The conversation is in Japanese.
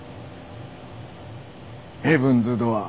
ヘブンズ・ドアー。